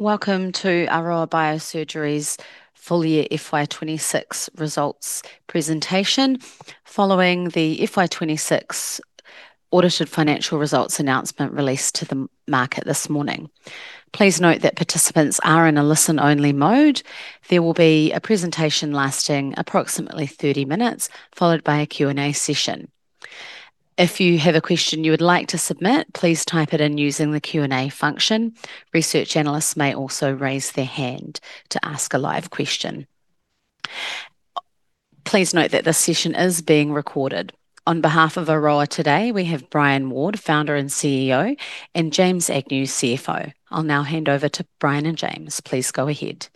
Welcome to Aroa Biosurgery's full year FY 2026 results presentation, following the FY 2026 audited financial results announcement released to the market this morning. Please note that participants are in a listen-only mode. There will be a presentation lasting approximately 30 minutes, followed by a Q&A session. If you have a question you would like to submit, please type it in using the Q&A function. Research analysts may also raise their hand to ask a live question. Please note that this session is being recorded. On behalf of Aroa today, we have Brian Ward, Founder and CEO, and James Agnew, CFO. I'll now hand over to Brian and James. Please go ahead.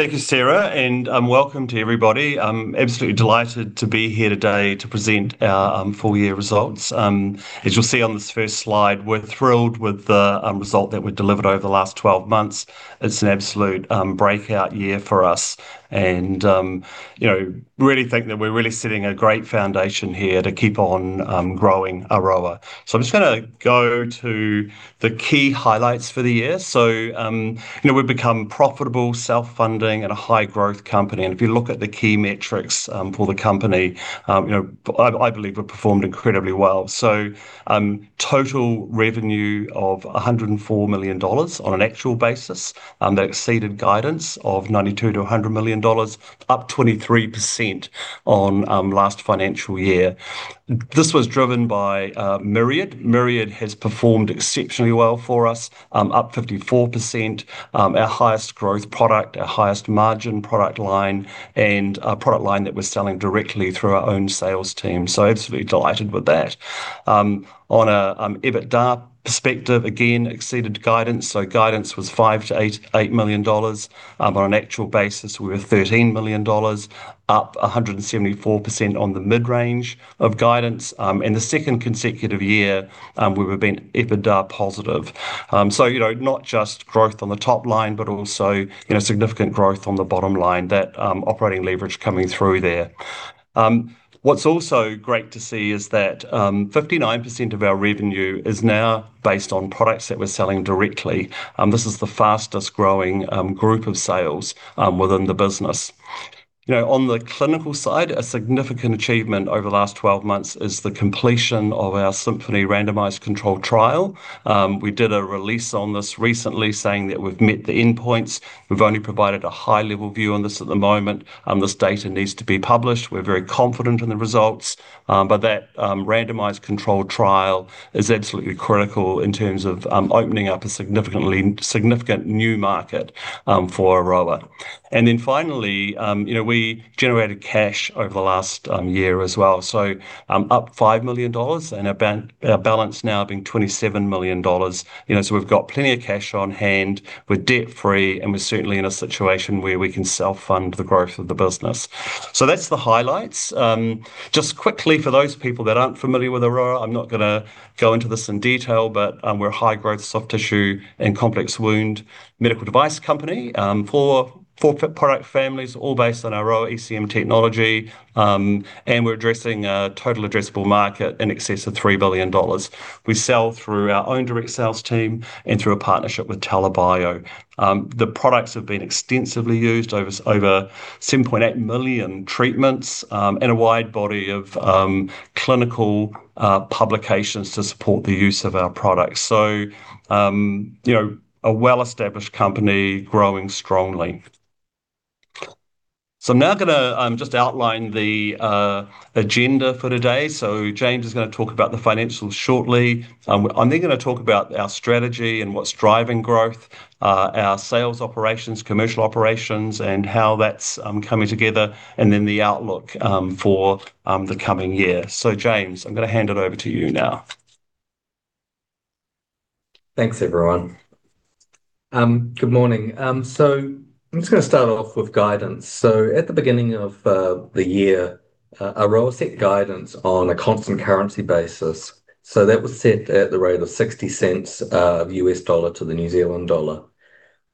Thank you, Sarah, and welcome to everybody. I'm absolutely delighted to be here today to present our full-year results. As you'll see on this first slide, we're thrilled with the result that we delivered over the last 12 months. It's an absolute breakout year for us and really think that we're really setting a great foundation here to keep on growing Aroa. I'm just going to go to the key highlights for the year. We've become profitable, self-funding, and a high-growth company. If you look at the key metrics for the company, I believe we performed incredibly well. Total revenue of 104 million dollars on an actual basis. That exceeded guidance of 92 million-100 million dollars, up 23% on last financial year. This was driven by Myriad. Myriad has performed exceptionally well for us, up 54%, our highest growth product, our highest margin product line, and a product line that we're selling directly through our own sales team. Absolutely delighted with that. On an EBITDA perspective, again, exceeded guidance. Guidance was 5 million-8 million dollars. On an actual basis, we were 13 million dollars, up 174% on the mid-range of guidance. The second consecutive year, we've been EBITDA positive. Not just growth on the top line, but also significant growth on the bottom line, that operating leverage coming through there. What's also great to see is that 59% of our revenue is now based on products that we're selling directly, and this is the fastest-growing group of sales within the business. On the clinical side, a significant achievement over the last 12 months is the completion of our Symphony randomized controlled trial. We did a release on this recently saying that we've met the endpoints. We've only provided a high-level view on this at the moment, and this data needs to be published. We're very confident in the results. That randomized controlled trial is absolutely critical in terms of opening up a significant new market for Aroa. Finally, we generated cash over the last year as well, so up 5 million dollars and our balance now being 27 million dollars. We've got plenty of cash on hand. We're debt-free, and we're certainly in a situation where we can self-fund the growth of the business. That's the highlights. Just quickly, for those people that aren't familiar with Aroa, I'm not going to go into this in detail, but we're a high-growth, soft tissue, and complex wound medical device company. Four product families, all based on our ECM technology, we're addressing a total addressable market in excess of 3 billion dollars. We sell through our own direct sales team and through a partnership with TELA Bio. The products have been extensively used over 7.8 million treatments and a wide body of clinical publications to support the use of our products. A well-established company growing strongly. I'm now going to just outline the agenda for today. James is going to talk about the financials shortly. I'm then going to talk about our strategy and what's driving growth, our sales operations, commercial operations, and how that's coming together, and then the outlook for the coming year. James, I'm going to hand it over to you now. Thanks, everyone. Good morning. I'm just going to start off with guidance. At the beginning of the year, Aroa set guidance on a constant currency basis. That was set at the rate of $0.60 of US dollar to the NZD.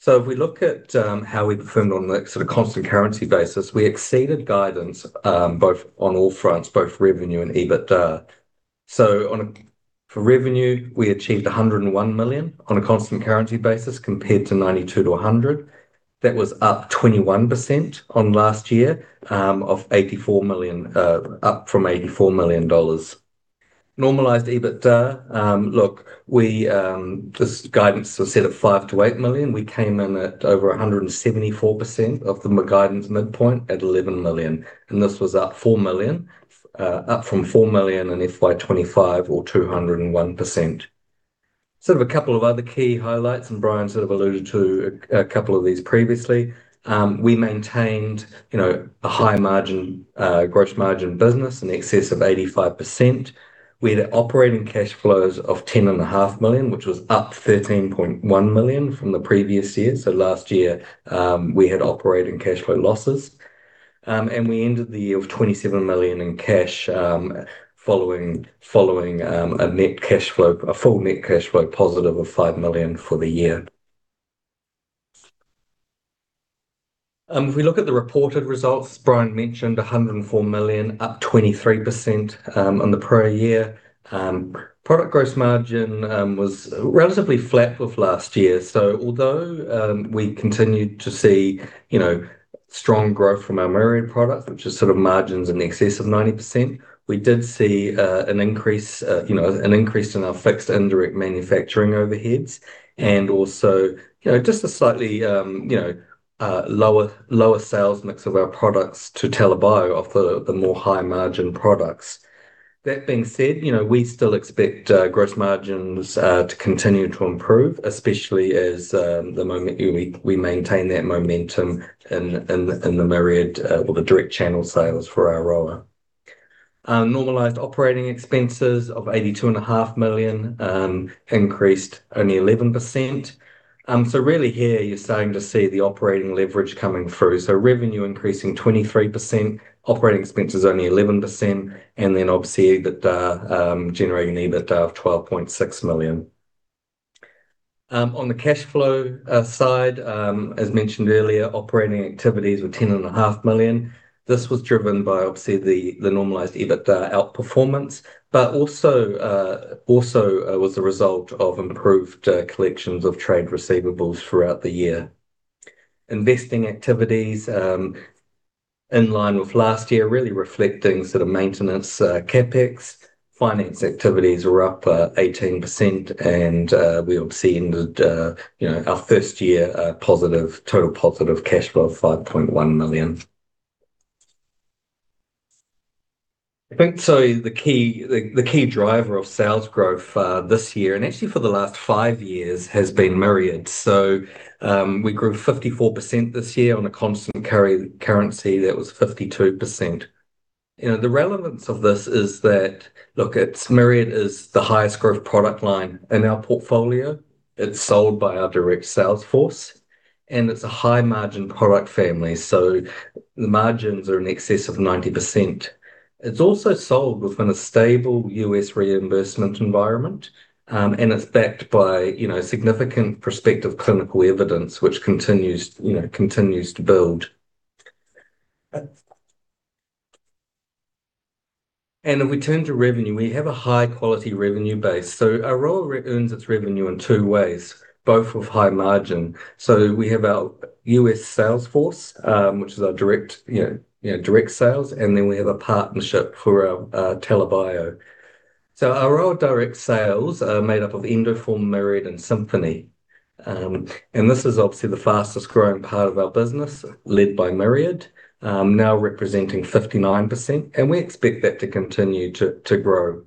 If we look at how we performed on a constant currency basis, we exceeded guidance on all fronts, both revenue and EBITDA. For revenue, we achieved 101 million on a constant currency basis compared to 92 million-100 million. That was up 21% on last year, up from 84 million dollars. Normalized EBITDA, this guidance was set at 5 million-8 million. We came in at over 174% of the guidance midpoint at 11 million, and this was up from 4 million in FY 2025 or 201%. We have a couple of other key highlights, and Brian sort of alluded to a couple of these previously. We maintained a high gross margin business in excess of 85%. We had operating cash flows of 10.5 million, which was up 13.1 million from the previous year. Last year, we had operating cash flow losses. We ended the year with 27 million in cash, following a full net cash flow positive of 5 million for the year. We look at the reported results, Brian mentioned 104 million, up 23% on the prior year. Product gross margin was relatively flat with last year. Although we continued to see strong growth from our Myriad product, which is margins in excess of 90%, we did see an increase in our fixed indirect manufacturing overheads, and also just a slightly lower sales mix of our products to TELA Bio of the more high-margin products. That being said, we still expect gross margins to continue to improve, especially as the moment we maintain that momentum in the Myriad or the direct channel sales for Aroa. Normalized operating expenses of 82.5 million, increased only 11%. Really here you're starting to see the operating leverage coming through. Revenue increasing 23%, operating expenses only 11%, and then obviously generating EBITDA of 12.6 million. On the cash flow side, as mentioned earlier, operating activities were 10.5 million. This was driven by, obviously, the normalized EBITDA outperformance, also was a result of improved collections of trade receivables throughout the year. Investing activities, in line with last year, really reflecting sort of maintenance CapEx. Finance activities were up 18%. We obviously ended our first year total positive cash flow of 5.1 million. I think the key driver of sales growth this year, and actually for the last five years, has been Myriad. We grew 54% this year. On a constant currency, that was 52%. The relevance of this is that, look, Myriad is the highest growth product line in our portfolio. It's sold by our direct sales force. It's a high-margin product family. The margins are in excess of 90%. It's also sold within a stable U.S. reimbursement environment. It's backed by significant prospective clinical evidence, which continues to build. If we turn to revenue, we have a high-quality revenue base. Aroa earns its revenue in two ways, both with high margin. We have our U.S. sales force, which is our direct sales, and then we have a partnership for our TELA Bio. Aroa direct sales are made up of Endoform, Myriad, and Symphony. This is obviously the fastest-growing part of our business, led by Myriad, now representing 59%, and we expect that to continue to grow.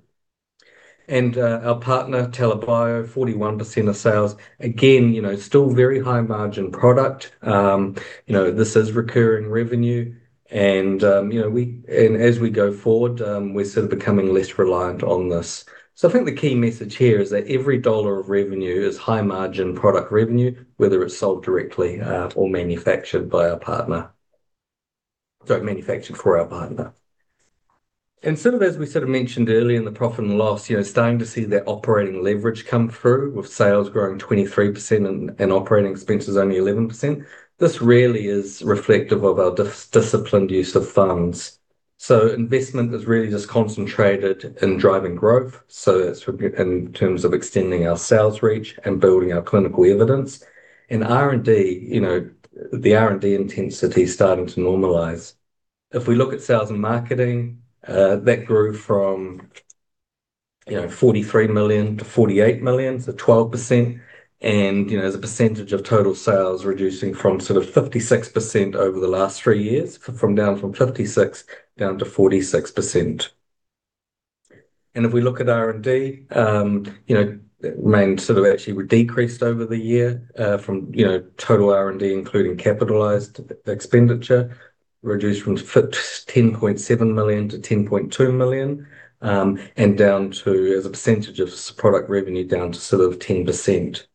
Our partner, TELA Bio, 41% of sales. Again, still very high-margin product. This is recurring revenue and as we go forward, we're sort of becoming less reliant on this. I think the key message here is that every dollar of revenue is high-margin product revenue, whether it's sold directly or manufactured by our partner. Manufactured for our partner. As we mentioned earlier, the profit in the last year, starting to see that operating leverage come through with sales growing 23% and operating expenses only 11%. This really is reflective of our disciplined use of funds. Investment is really just concentrated in driving growth, so that's in terms of extending our sales reach and building our clinical evidence. R&D, the R&D intensity is starting to normalize. If we look at sales and marketing, that grew from 43 million to 48 million, so 12%. As a percentage of total sales reducing from sort of 56% over the last three years, from down from 56% down to 46%. If we look at R&D, it actually decreased over the year from total R&D, including capital expenditure, reduced from 10.7 million to 10.2 million, and down to, as a percentage of product revenue, down to sort of 10%.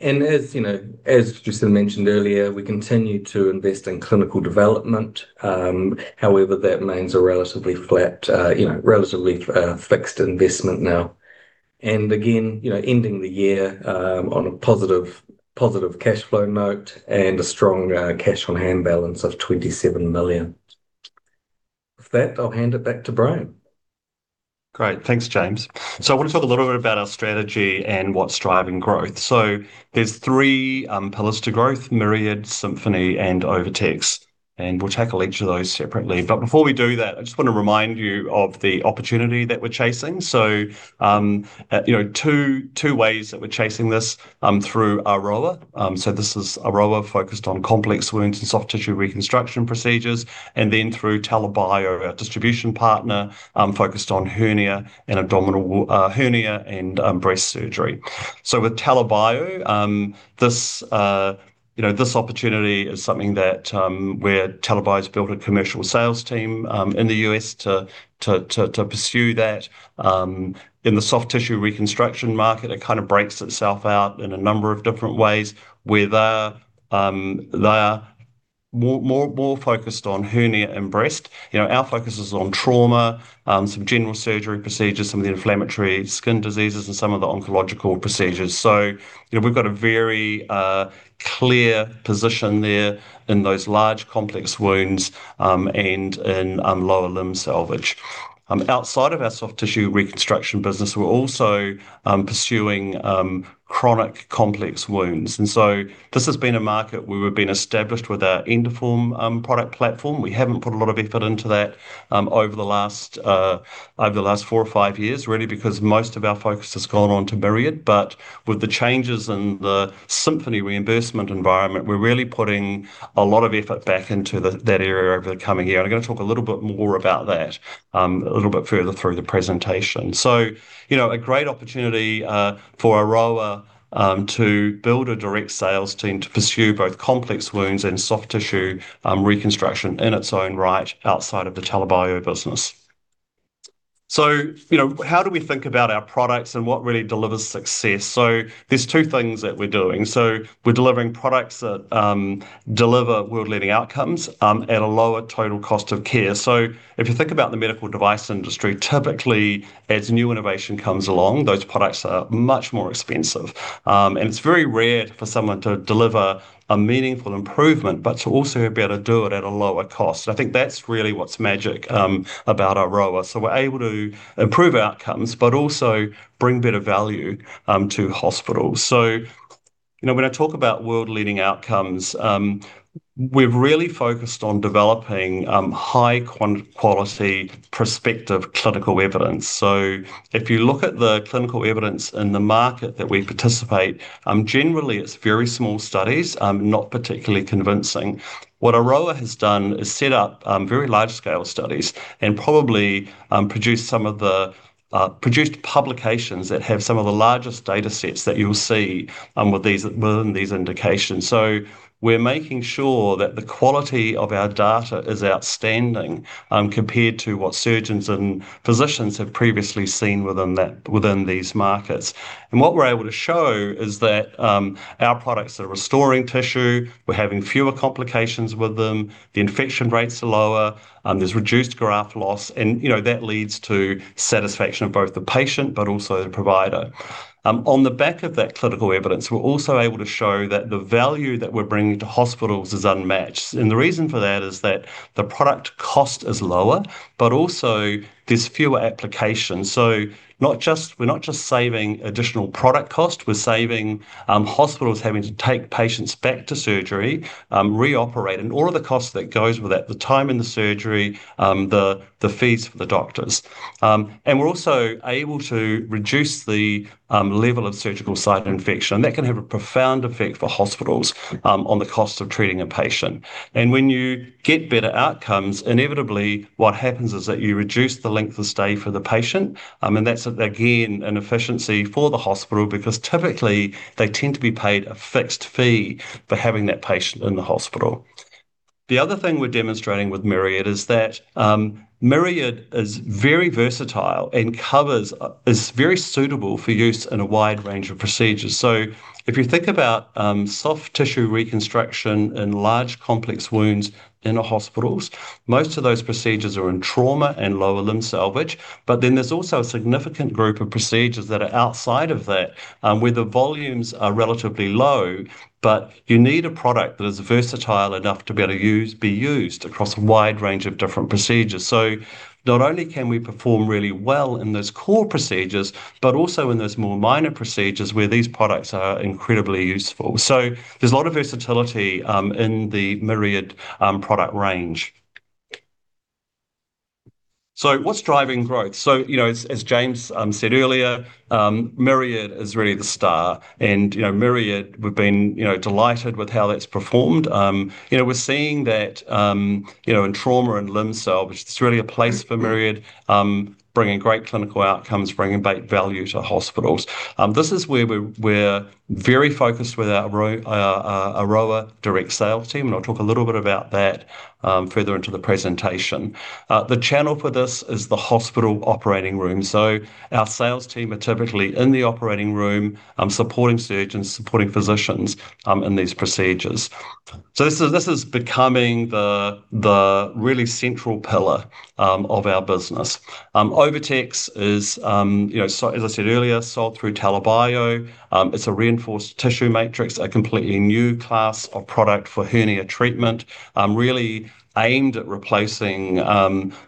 As Brian mentioned earlier, we continue to invest in clinical development. However, that remains a relatively flat, relatively fixed investment now. Again, ending the year on a positive cash flow note and a strong cash on hand balance of 27 million. With that, I'll hand it back to Brian. Great. Thanks, James. I want to talk a little bit about our strategy and what's driving growth. There's three pillars to growth, Myriad, Symphony, and OviTex, and we'll tackle each of those separately. Before we do that, I just want to remind you of the opportunity that we're chasing. Two ways that we're chasing this, through Aroa. This is Aroa focused on complex wounds and soft tissue reconstruction procedures, and then through TELA Bio, our distribution partner, focused on hernia and breast surgery. With TELA Bio, this opportunity is something that where TELA Bio's built a commercial sales team in the U.S. to pursue that. In the soft tissue reconstruction market, it kind of breaks itself out in a number of different ways, where they are more focused on hernia and breast. Our focus is on trauma, some general surgery procedures, some of the inflammatory skin diseases, and some of the oncological procedures. We've got a very clear position there in those large complex wounds, and in lower limb salvage. Outside of our soft tissue reconstruction business, we're also pursuing chronic complex wounds. This has been a market we've been established with our Endoform product platform. We haven't put a lot of effort into that over the last four or five years really because most of our focus has gone on to Myriad. With the changes in the Symphony reimbursement environment, we're really putting a lot of effort back into that area over the coming year. I'm going to talk a little bit more about that a little bit further through the presentation. A great opportunity for Aroa to build a direct sales team to pursue both complex wounds and soft tissue reconstruction in its own right outside of the TELA Bio business. How do we think about our products and what really delivers success? There's two things that we're doing. We're delivering products that deliver world-leading outcomes at a lower total cost of care. If you think about the medical device industry, typically, as new innovation comes along, those products are much more expensive. It's very rare for someone to deliver a meaningful improvement, but to also be able to do it at a lower cost. I think that's really what's magic about Aroa. We're able to improve outcomes, but also bring better value to hospitals. When I talk about world-leading outcomes, we've really focused on developing high-quality prospective clinical evidence. If you look at the clinical evidence in the market that we participate, generally it's very small studies, not particularly convincing. What Aroa has done is set up very large-scale studies and probably produced publications that have some of the largest data sets that you'll see within these indications. We're making sure that the quality of our data is outstanding compared to what surgeons and physicians have previously seen within these markets. What we're able to show is that our products are restoring tissue, we're having fewer complications with them, the infection rates are lower, there's reduced graft loss, and that leads to satisfaction of both the patient but also the provider. On the back of that clinical evidence, we're also able to show that the value that we're bringing to hospitals is unmatched. The reason for that is that the product cost is lower, but also there's fewer applications. We're not just saving additional product cost, we're saving hospitals having to take patients back to surgery, re-operate, and all of the cost that goes with that, the time in the surgery, the fees for the doctors. We're also able to reduce the level of surgical site infection. That can have a profound effect for hospitals on the cost of treating a patient. When you get better outcomes, inevitably what happens is that you reduce the length of stay for the patient, and that's again an efficiency for the hospital because typically they tend to be paid a fixed fee for having that patient in the hospital. The other thing we're demonstrating with Myriad is that Myriad is very versatile and is very suitable for use in a wide range of procedures. If you think about soft tissue reconstruction in large complex wounds in hospitals, most of those procedures are in trauma and lower limb salvage. There's also a significant group of procedures that are outside of that, where the volumes are relatively low, but you need a product that is versatile enough to be used across a wide range of different procedures. Not only can we perform really well in those core procedures, but also in those more minor procedures where these products are incredibly useful. There's a lot of versatility in the Myriad product range. What's driving growth? As James said earlier, Myriad is really the star. Myriad, we've been delighted with how that's performed. We're seeing that in trauma and limb salvage, it's really a place for Myriad, bringing great clinical outcomes, bringing back value to hospitals. This is where we're very focused with our Aroa direct sales team, and I'll talk a little bit about that further into the presentation. The channel for this is the hospital operating room. Our sales team are typically in the operating room, supporting surgeons, supporting physicians in these procedures. This is becoming the really central pillar of our business. OviTex is, as I said earlier, sold through TELA Bio. It's a reinforced tissue matrix, a completely new class of product for hernia treatment, really aimed at replacing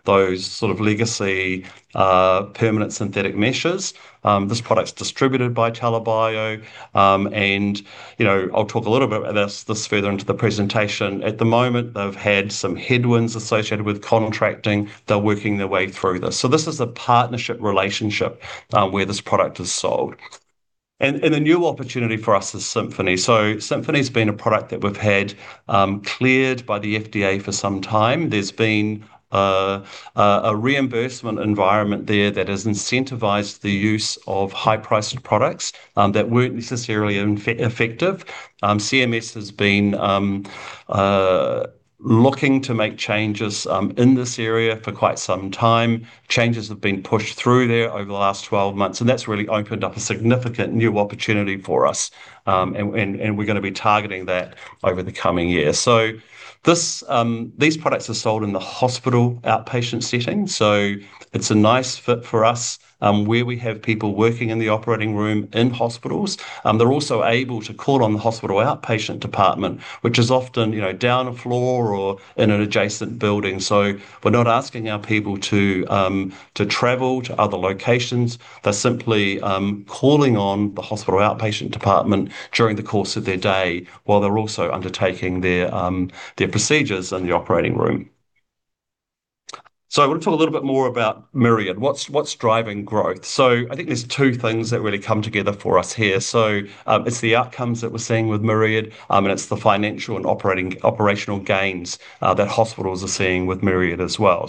those sort of legacy permanent synthetic meshes. This product's distributed by TELA Bio, and I'll talk a little bit about this further into the presentation. At the moment, they've had some headwinds associated with contracting. They're working their way through this. This is a partnership relationship where this product is sold. A new opportunity for us is Symphony. Symphony's been a product that we've had cleared by the FDA for some time. There's been a reimbursement environment there that has incentivized the use of high-priced products that weren't necessarily effective. CMS has been looking to make changes in this area for quite some time. Changes have been pushed through there over the last 12 months, and that's really opened up a significant new opportunity for us, and we're going to be targeting that over the coming year. These products are sold in a hospital outpatient setting, so it's a nice fit for us where we have people working in the operating room in hospitals. They're also able to call on the hospital outpatient department, which is often down a floor or in an adjacent building. We're not asking our people to travel to other locations. They're simply calling on the hospital outpatient department during the course of their day while they're also undertaking their procedures in the operating room. I want to talk a little bit more about Myriad. What's driving growth? I think there's two things that really come together for us here. It's the outcomes that we're seeing with Myriad, it's the financial and operational gains that hospitals are seeing with Myriad as well.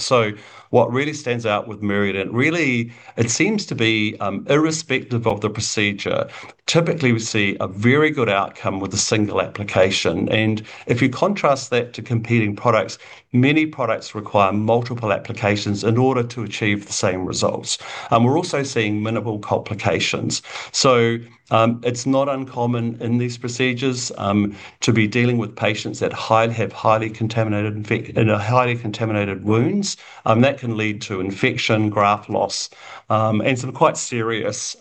What really stands out with Myriad, really, it seems to be irrespective of the procedure. Typically, we see a very good outcome with a single application. If you contrast that to competing products, many products require multiple applications in order to achieve the same results. We're also seeing minimal complications. It's not uncommon in these procedures to be dealing with patients that have highly contaminated wounds. That can lead to infection, graft loss, and some quite serious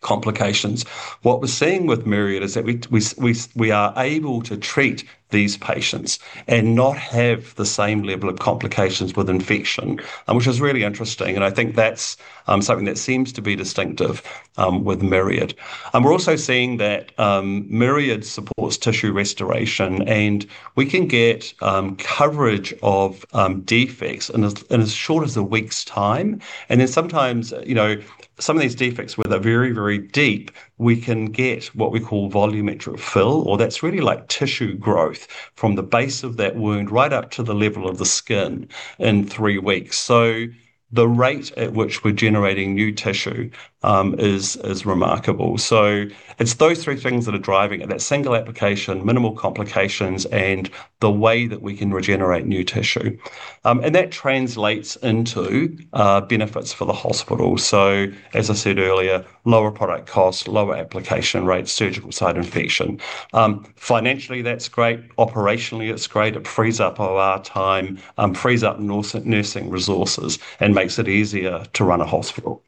complications. What we're seeing with Myriad is that we are able to treat these patients and not have the same level of complications with infection, which is really interesting, and I think that's something that seems to be distinctive with Myriad. We're also seeing that Myriad supports tissue restoration, and we can get coverage of defects in as short as a week's time. Sometimes, some of these defects, when they're very deep, we can get what we call volumetric fill, or that's really like tissue growth from the base of that wound right up to the level of the skin in three weeks. The rate at which we're generating new tissue is remarkable. It's those three things that are driving it, that single application, minimal complications, and the way that we can regenerate new tissue. That translates into benefits for the hospital. As I said earlier, lower product cost, lower application rate, surgical site infection. Financially, that's great. Operationally, it's great. It frees up OR time, frees up nursing resources, and makes it easier to run a hospital.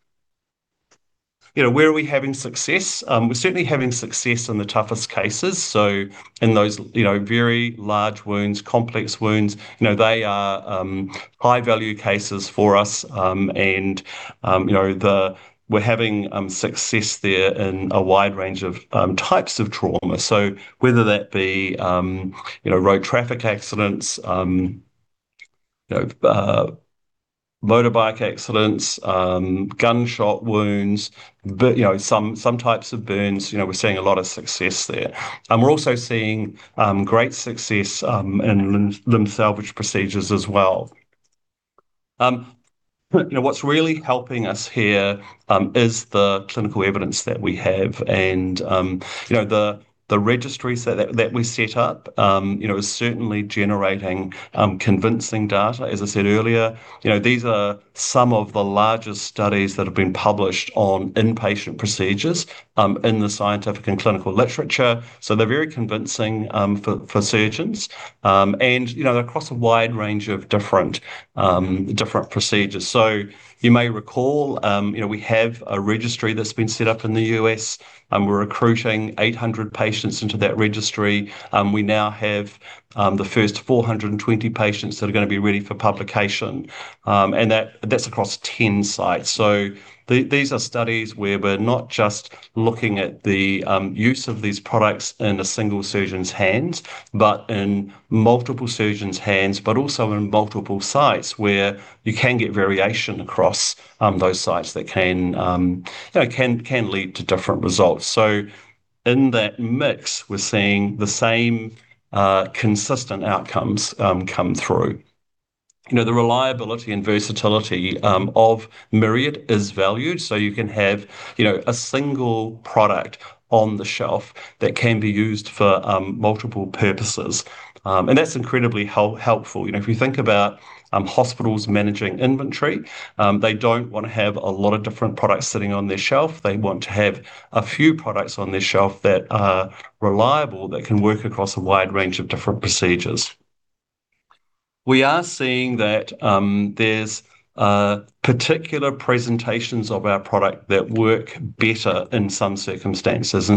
Where are we having success? We're certainly having success in the toughest cases. In those very large wounds, complex wounds, they are high-value cases for us. We're having success there in a wide range of types of trauma. Whether that be road traffic accidents, motorbike accidents, gunshot wounds, some types of burns, we're seeing a lot of success there. We're also seeing great success in limb salvage procedures as well. What's really helping us here is the clinical evidence that we have, and the registries that we set up, is certainly generating convincing data. As I said earlier, these are some of the largest studies that have been published on inpatient procedures in the scientific and clinical literature, so they're very convincing for surgeons. They're across a wide range of different procedures. You may recall, we have a registry that's been set up in the U.S., and we're recruiting 800 patients into that registry. We now have the first 420 patients that are going to be ready for publication, and that's across 10 sites. These are studies where we're not just looking at the use of these products in a single surgeon's hands, but in multiple surgeons' hands, but also in multiple sites where you can get variation across those sites that can lead to different results. In that mix, we're seeing the same consistent outcomes come through. The reliability and versatility of Myriad is valued. You can have a single product on the shelf that can be used for multiple purposes, and that's incredibly helpful. If you think about hospitals managing inventory, they don't want to have a lot of different products sitting on their shelf. They want to have a few products on their shelf that are reliable, that can work across a wide range of different procedures. We are seeing that there's particular presentations of our product that work better in some circumstances.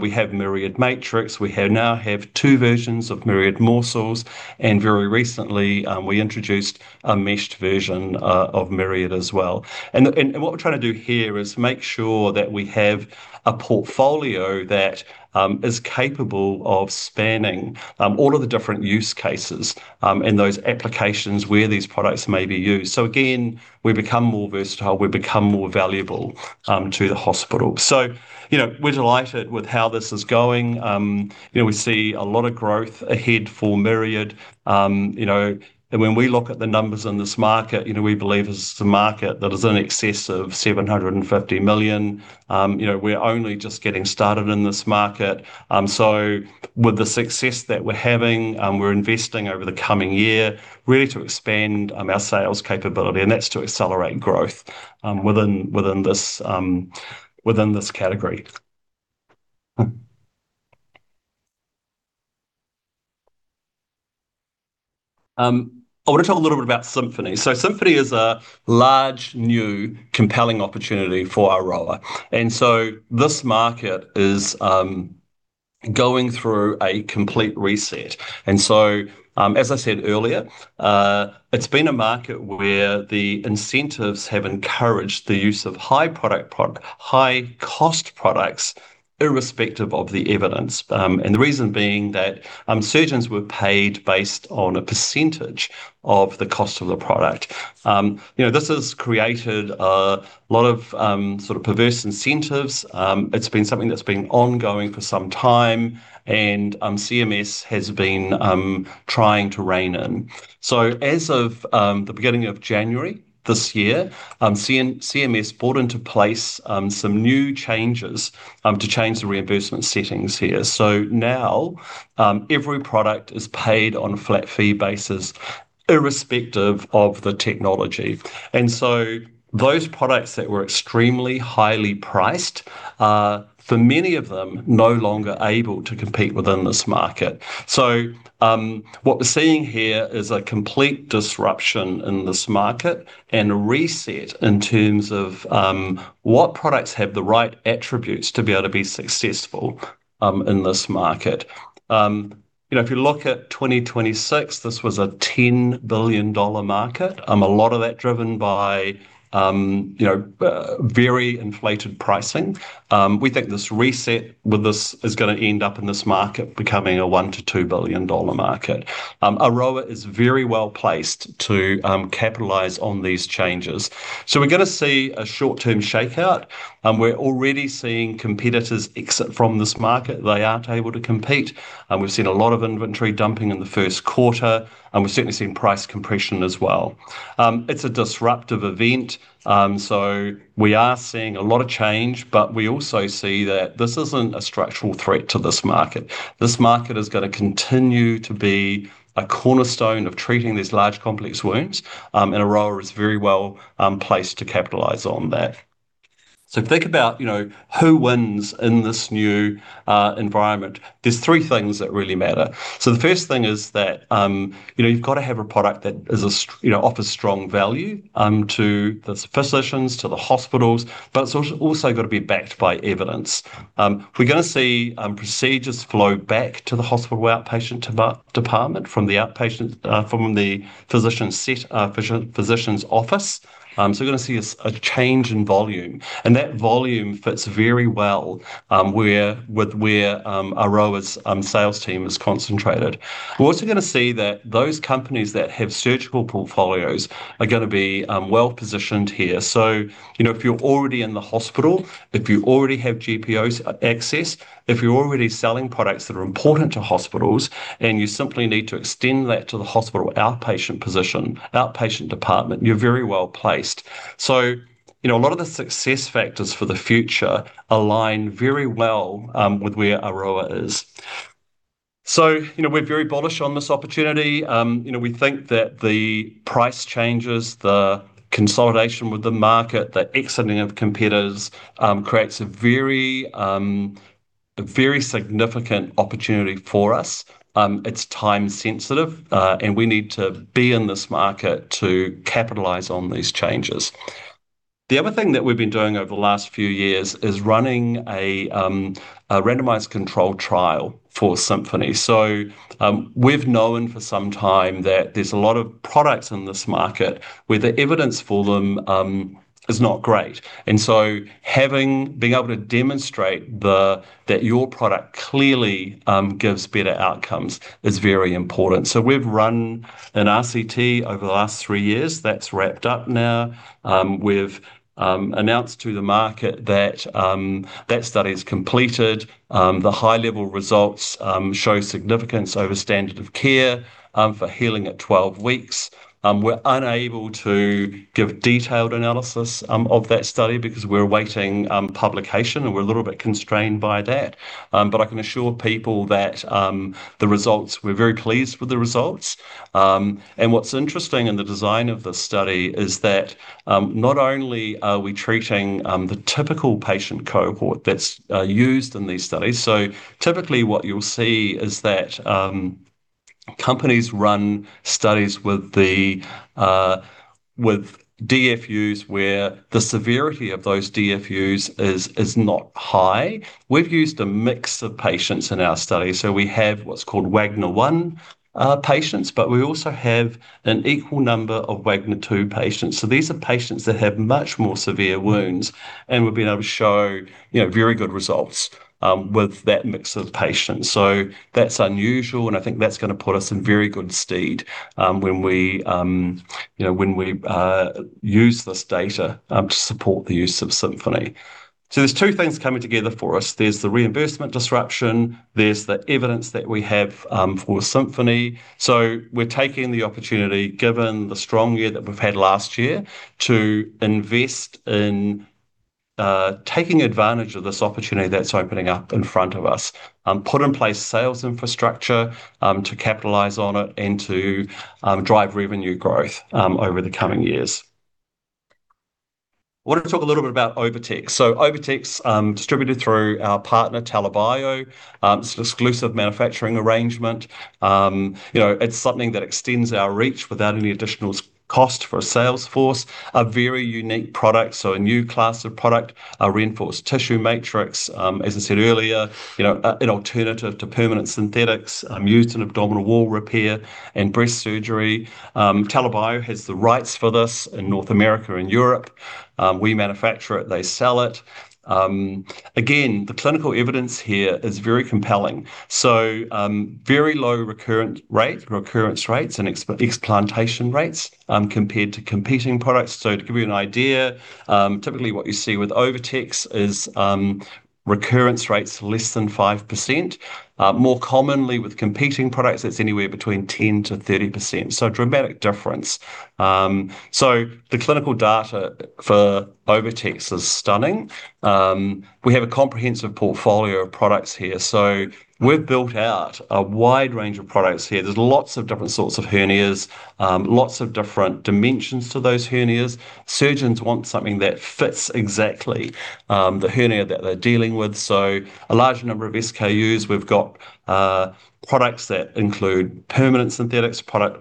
We have Myriad Matrix, we now have two versions of Myriad Morcells, and very recently, we introduced a meshed version of Myriad as well. What we're trying to do here is make sure that we have a portfolio that is capable of spanning all of the different use cases in those applications where these products may be used. Again, we become more versatile, we become more valuable to the hospital. We're delighted with how this is going. We see a lot of growth ahead for Myriad. When we look at the numbers in this market, we believe this is a market that is in excess of 750 million. We're only just getting started in this market. With the success that we're having, we're investing over the coming year, ready to expand our sales capability, and that's to accelerate growth within this category. I want to talk a little bit about Symphony. Symphony is a large, new, compelling opportunity for Aroa. This market is going through a complete reset. As I said earlier, it's been a market where the incentives have encouraged the use of high-cost products irrespective of the evidence. The reason being that surgeons were paid based on a percentage of the cost of the product. This has created a lot of perverse incentives. It's been something that's been ongoing for some time, and CMS has been trying to rein in. As of the beginning of January this year, CMS brought into place some new changes to change the reimbursement settings here. Now every product is paid on a flat fee basis irrespective of the technology. Those products that were extremely highly priced are, for many of them, no longer able to compete within this market. What we're seeing here is a complete disruption in this market and a reset in terms of what products have the right attributes to be able to be successful in this market. If you look at 2026, this was a 10 billion dollar market, a lot of that driven by very inflated pricing. We think this reset is going to end up in this market becoming a 1 billion-2 billion dollar market. Aroa is very well-placed to capitalize on these changes. We're going to see a short-term shakeout. We're already seeing competitors exit from this market. They aren't able to compete. We've seen a lot of inventory dumping in the first quarter, and we've certainly seen price compression as well. It's a disruptive event, so we are seeing a lot of change, but we also see that this isn't a structural threat to this market. This market is going to continue to be a cornerstone of treating these large complex wounds. Aroa is very well placed to capitalize on that. Think about who wins in this new environment. There's three things that really matter. The first thing is that you've got to have a product that offers strong value to the physicians, to the hospitals, but it's also got to be backed by evidence. We're going to see procedures flow back to the hospital outpatient department from the physician's office. We're going to see a change in volume, and that volume fits very well with where Aroa's sales team is concentrated. We're also going to see that those companies that have surgical portfolios are going to be well-positioned here. If you're already in the hospital, if you already have GPOs access, if you're already selling products that are important to hospitals, and you simply need to extend that to the hospital outpatient position, outpatient department, you're very well-placed. A lot of the success factors for the future align very well with where Aroa is. We're very bullish on this opportunity. We think that the price changes, the consolidation with the market, the exiting of competitors, creates a very significant opportunity for us. It's time sensitive, and we need to be in this market to capitalize on these changes. The other thing that we've been doing over the last few years is running a randomized controlled trial for Symphony. We've known for some time that there's a lot of products in this market where the evidence for them is not great. Being able to demonstrate that your product clearly gives better outcomes is very important. We've run an RCT over the last three years. That's wrapped up now. We've announced to the market that that study is completed. The high-level results show significance over standard of care for healing at 12 weeks. We're unable to give detailed analysis of that study because we're awaiting publication, and we're a little bit constrained by that. I can assure people that we're very pleased with the results. What's interesting in the design of this study is that not only are we treating the typical patient cohort that's used in these studies. Typically, what you'll see is that companies run studies with DFUs where the severity of those DFUs is not high. We've used a mix of patients in our study, so we have what's called Wagner 1 patients, but we also have an equal number of Wagner 2 patients. These are patients that have much more severe wounds, and we've been able to show very good results with that mix of patients. That's unusual, and I think that's going to put us in very good stead when we use this data to support the use of Symphony. There's two things coming together for us. There's the reimbursement disruption, there's the evidence that we have for Symphony. We are taking the opportunity, given the strong year that we have had last year, to invest in taking advantage of this opportunity that is opening up in front of us. Put in place sales infrastructure to capitalize on it and to drive revenue growth over the coming years. We want to talk a little bit about OviTex. OviTex, distributed through our partner, TELA Bio. It is an exclusive manufacturing arrangement. It is something that extends our reach without any additional cost for a sales force. A very unique product, a new class of product, a reinforced tissue matrix, as I said earlier, an alternative to permanent synthetics used in abdominal wall repair and breast surgery. TELA Bio has the rights for this in North America and Europe. We manufacture it, they sell it. Again, the clinical evidence here is very compelling. Very low recurrence rates and explantation rates compared to competing products. To give you an idea, typically what you see with OviTex is recurrence rates less than 5%. More commonly with competing products, it's anywhere between 10%-30%. A dramatic difference. We have a comprehensive portfolio of products here. We've built out a wide range of products here. There's lots of different sorts of hernias, lots of different dimensions to those hernias. Surgeons want something that fits exactly the hernia that they're dealing with. A large number of SKUs. We've got products that include permanent synthetics, products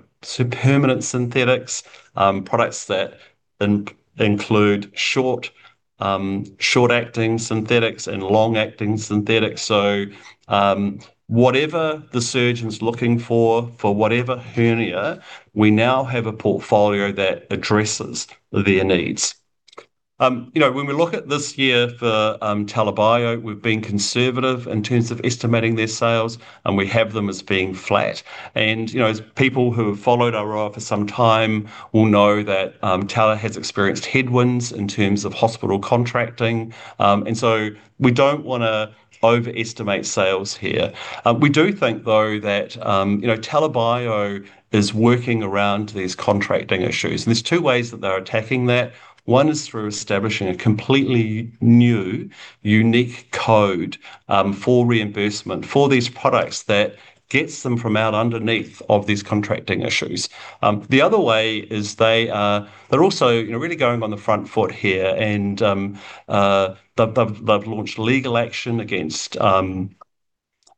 that include short-acting synthetics and long-acting synthetics. Whatever the surgeon's looking for whatever hernia, we now have a portfolio that addresses their needs. When we look at this year for TELA Bio, we've been conservative in terms of estimating their sales, and we have them as being flat. People who have followed Aroa for some time will know that TELA has experienced headwinds in terms of hospital contracting. We don't want to overestimate sales here. We do think, though, that TELA Bio is working around these contracting issues, and there's two ways that they're attacking that. One is through establishing a completely new, unique code for reimbursement for these products that gets them from out underneath of these contracting issues. The other way is they are also really going on the front foot here, and they've launched legal action against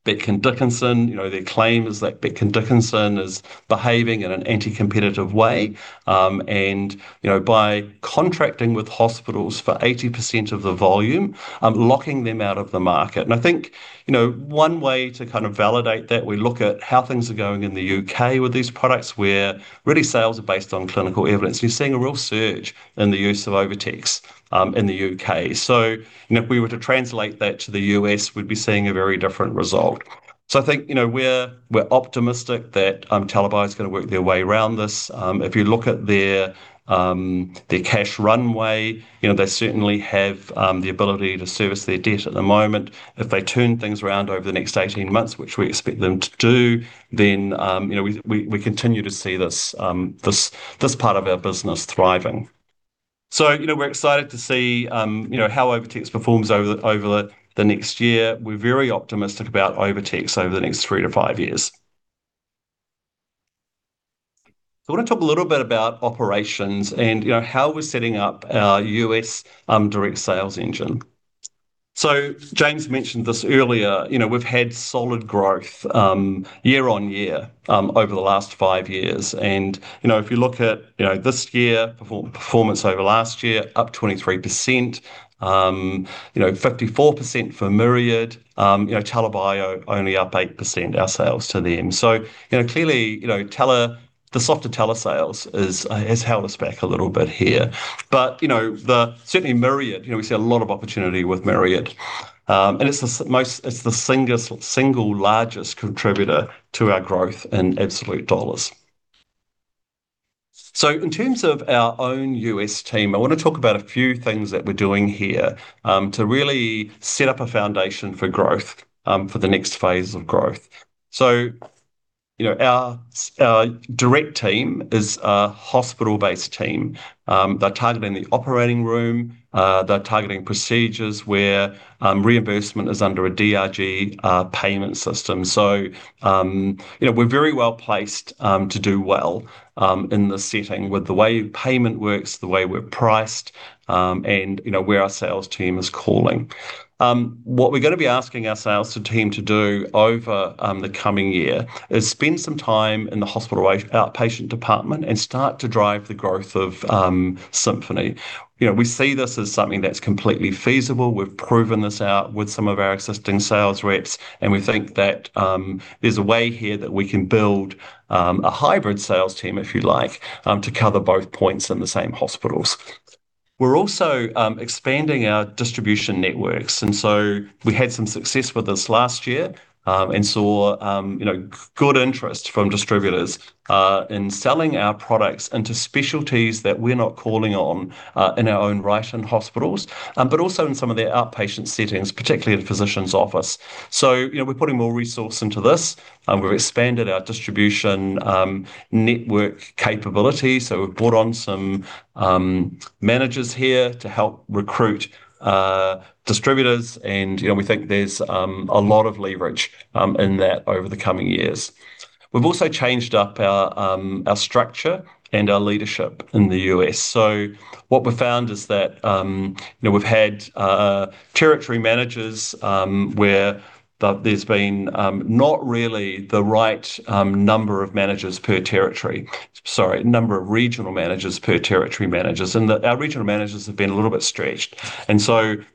Becton, Dickinson and Company. Their claim is that Becton, Dickinson and Company is behaving in an anti-competitive way, and by contracting with hospitals for 80% of the volume, locking them out of the market. I think one way to kind of validate that, we look at how things are going in the U.K. with these products, where really sales are based on clinical evidence. You're seeing a real surge in the use of OviTex in the U.K. If we were to translate that to the U.S., we'd be seeing a very different result. I think we're optimistic that TELA Bio is going to work their way around this. If you look at their cash runway, they certainly have the ability to service their debt at the moment. If they turn things around over the next 18 months, which we expect them to do, then we continue to see this part of our business thriving. We're excited to see how OviTex performs over the next year. We're very optimistic about OviTex over the next three to five years. I want to talk a little bit about operations and how we're setting up our U.S. direct sales engine. James mentioned this earlier. We've had solid growth year-over-year over the last five years. If you look at this year performance over last year, up 23%, 54% for Myriad, TELA Bio only up 8% our sales to them. Clearly, the softer TELA sales has held us back a little bit here. But certainly Myriad, we see a lot of opportunity with Myriad. It's the single largest contributor to our growth in absolute dollars. In terms of our own U.S. team, I want to talk about a few things that we're doing here to really set up a foundation for growth for the next phase of growth. Our direct team is a hospital-based team. They're targeting the operating room. They're targeting procedures where reimbursement is under a DRG payment system. We're very well-placed to do well in this setting with the way payment works, the way we're priced, and where our sales team is calling. What we're going to be asking our sales team to do over the coming year is spend some time in the hospital outpatient department and start to drive the growth of Symphony. We see this as something that's completely feasible. We've proven this out with some of our existing sales reps, and we think that there's a way here that we can build a hybrid sales team, if you like, to cover both points in the same hospitals. We're also expanding our distribution networks. We had some success with this last year, and saw good interest from distributors in selling our products into specialties that we're not calling on in our own right in hospitals, but also in some of their outpatient settings, particularly in a physician's office. We're putting more resource into this. We've expanded our distribution network capability. We've brought on some managers here to help recruit distributors, and we think there's a lot of leverage in that over the coming years. We've also changed up our structure and our leadership in the U.S. What we've found is that we've had territory managers, where there's been not really the right number of managers per territory. Sorry, number of regional managers per territory managers. Our regional managers have been a little bit stretched.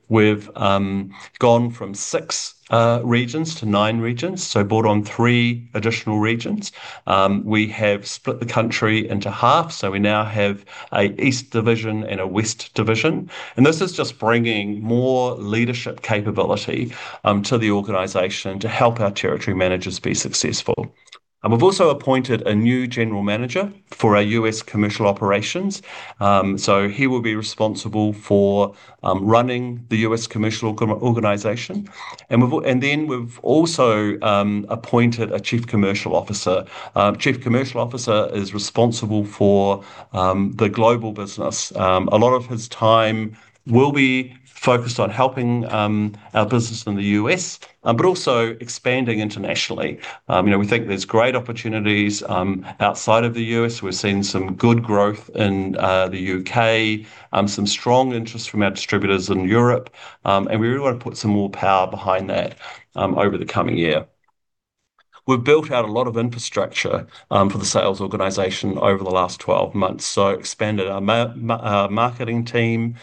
We've gone from six regions to nine regions, so brought on three additional regions. We have split the country into half, so we now have an east division and a west division. This is just bringing more leadership capability to the organization to help our territory managers be successful. We've also appointed a new general manager for our U.S. commercial operations. He will be responsible for running the U.S. commercial organization. We've also appointed a chief commercial officer. Chief Commercial Officer is responsible for the global business. A lot of his time will be focused on helping our business in the U.S., but also expanding internationally. We think there's great opportunities outside of the U.S. We're seeing some good growth in the U.K., some strong interest from our distributors in Europe. We really want to put some more power behind that over the coming year. We've built out a lot of infrastructure for the sales organization over the last 12 months. Expanded our marketing team.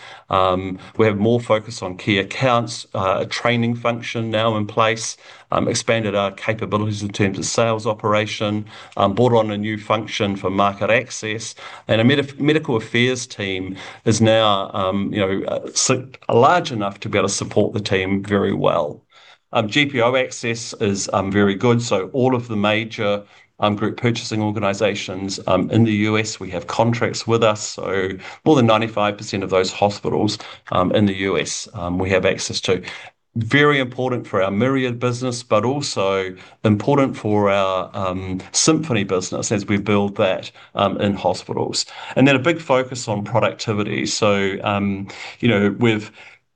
We have more focus on key accounts, a training function now in place, expanded our capabilities in terms of sales operation, brought on a new function for market access. Our medical affairs team is now large enough to be able to support the team very well. GPO access is very good. All of the major group purchasing organizations in the U.S., we have contracts with us. More than 95% of those hospitals in the U.S. we have access to. Very important for our Myriad business, but also important for our Symphony business as we build that in hospitals. Then a big focus on productivity.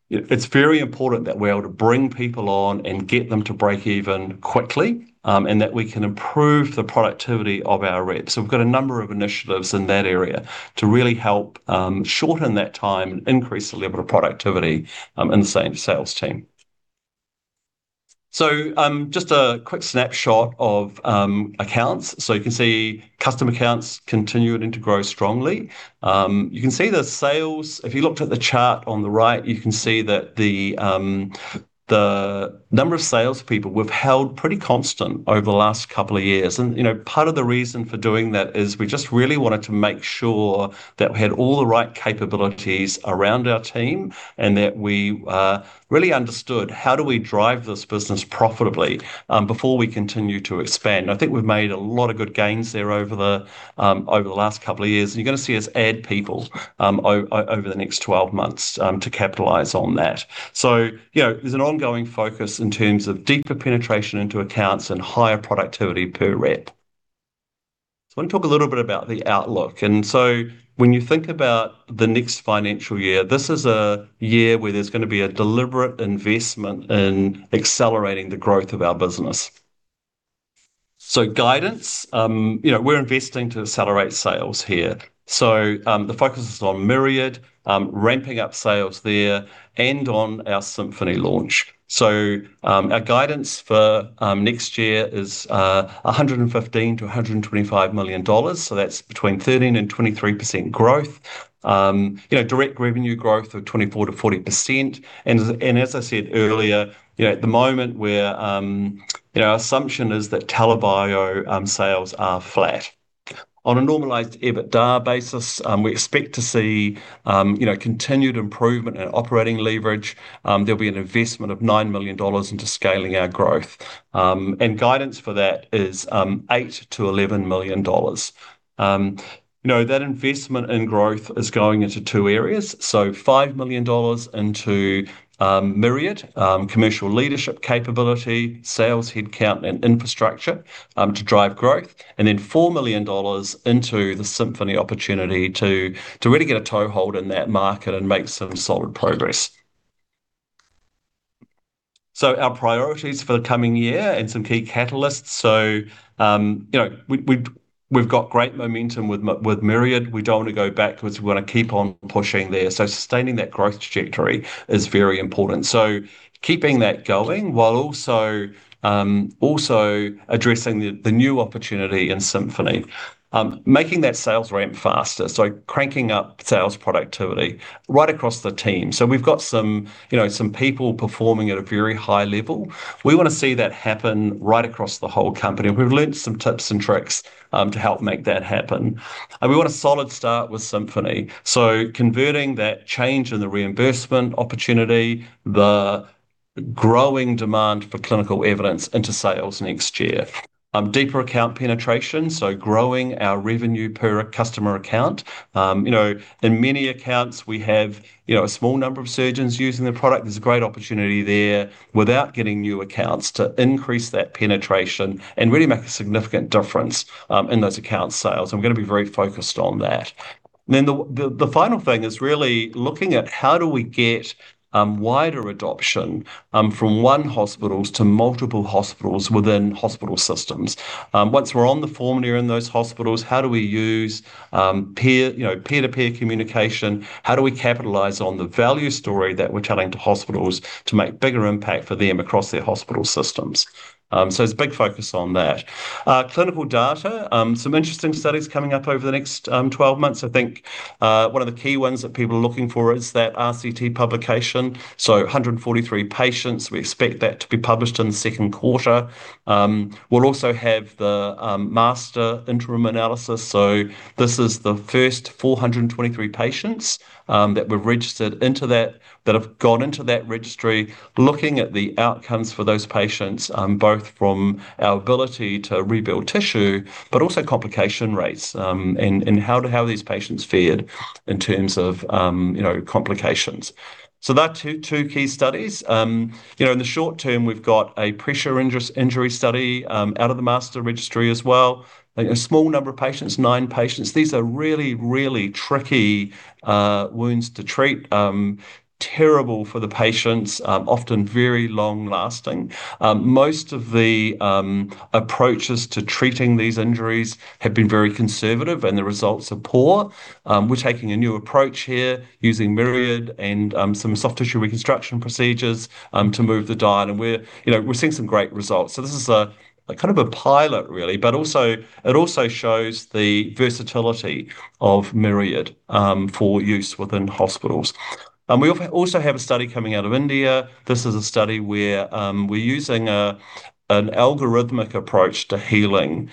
It's very important that we're able to bring people on and get them to break even quickly, and that we can improve the productivity of our reps. We've got a number of initiatives in that area to really help shorten that time and increase the level of productivity in the same sales team. Just a quick snapshot of accounts. You can see customer accounts continuing to grow strongly. You can see the sales, if you looked at the chart on the right, you can see that the number of salespeople we've held pretty constant over the last couple of years. Part of the reason for doing that is we just really wanted to make sure that we had all the right capabilities around our team, and that we really understood how do we drive this business profitably before we continue to expand. I think we've made a lot of good gains there over the last couple of years, and you're going to see us add people over the next 12 months to capitalize on that. There's an ongoing focus in terms of deeper penetration into accounts and higher productivity per rep. I want to talk a little bit about the outlook. When you think about the next financial year, this is a year where there's going to be a deliberate investment in accelerating the growth of our business. Guidance, we're investing to accelerate sales here. The focus is on Myriad, ramping up sales there, and on our Symphony launch. Our guidance for next year is 115 million-125 million dollars. That's between 13% and 23% growth. Direct revenue growth of 24%-40%. As I said earlier, at the moment our assumption is that TELA Bio sales are flat. On a normalized EBITDA basis, we expect to see continued improvement in operating leverage. There'll be an investment of 9 million dollars into scaling our growth. Guidance for that is 8 million-11 million dollars. That investment in growth is going into two areas. 5 million dollars into Myriad, commercial leadership capability, sales headcount, and infrastructure to drive growth, and then 4 million dollars into the Symphony opportunity to really get a toehold in that market and make some solid progress. Our priorities for the coming year and some key catalysts. We've got great momentum with Myriad. We don't want to go backwards. We want to keep on pushing there. Sustaining that growth trajectory is very important. Keeping that going while also addressing the new opportunity in Symphony. Making that sales ramp faster, so cranking up sales productivity right across the team. We've got some people performing at a very high level. We want to see that happen right across the whole company. We've learnt some tips and tricks to help make that happen. We want a solid start with Symphony. Converting that change in the reimbursement opportunity, the growing demand for clinical evidence into sales next year. Deeper account penetration, so growing our revenue per customer account. In many accounts, we have a small number of surgeons using the product. There's a great opportunity there without getting new accounts to increase that penetration and really make a significant difference in those account sales. We're going to be very focused on that. The final thing is really looking at how do we get wider adoption from one hospital to multiple hospitals within hospital systems. Once we're on the formulary in those hospitals, how do we use peer-to-peer communication? How do we capitalize on the value story that we're telling to hospitals to make bigger impact for them across their hospital systems? There's a big focus on that. Clinical data, some interesting studies coming up over the next 12 months. I think one of the key ones that people are looking for is that RCT publication. 143 patients, we expect that to be published in the second quarter. We'll also have the MASTRR interim analysis. This is the first 423 patients that have gone into that MASTRR registry, looking at the outcomes for those patients, both from our ability to rebuild tissue, but also complication rates and how these patients fared in terms of complications. That's two key studies. In the short term, we've got a pressure injury study out of the MASTRR registry as well. A small number of patients, nine patients. These are really, really tricky wounds to treat. Terrible for the patients, often very long-lasting. Most of the approaches to treating these injuries have been very conservative, and the results are poor. We're taking a new approach here using Myriad and some soft tissue reconstruction procedures to move the dial, and we're seeing some great results. This is a kind of a pilot, really, but it also shows the versatility of Myriad for use within hospitals. We also have a study coming out of India. This is a study where we're using an algorithmic approach to healing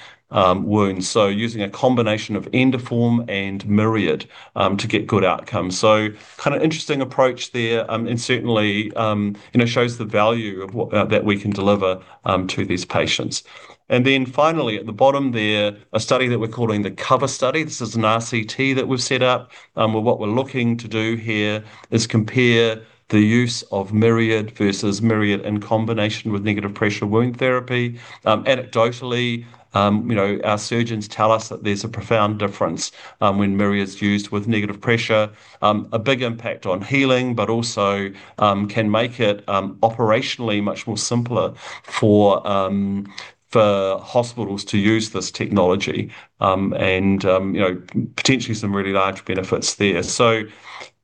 wounds, so using a combination of Endoform and Myriad to get good outcomes. Kind of interesting approach there, and certainly shows the value that we can deliver to these patients. Finally, at the bottom there, a study that we're calling the COVER study. This is an RCT that we've set up, where what we're looking to do here is compare the use of Myriad versus Myriad in combination with negative pressure wound therapy. Anecdotally, our surgeons tell us that there's a profound difference when Myriad's used with negative pressure. A big impact on healing, but also can make it operationally much more simpler for hospitals to use this technology, and potentially some really large benefits there.